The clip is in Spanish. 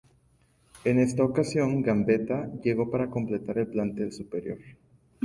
En esta ocasión, Gambetta, llegó para completar el plantel superior.